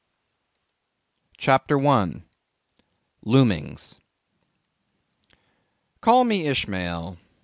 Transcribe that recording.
CHAPTER 1. Loomings. Call me Ishmael.